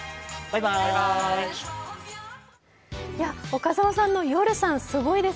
岡澤さんのヨルさん、すごいです。